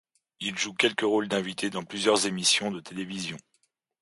Il joue quelques rôles d'invité dans plusieurs émissions de télévision.